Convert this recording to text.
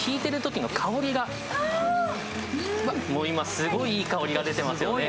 すっごいいい香りが出てますよね。